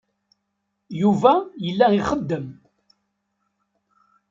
Yuba yella ixeddem.